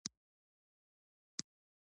بيا يې چنګېز پکي خښ کړ.